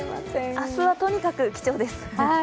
明日はとにかく貴重です。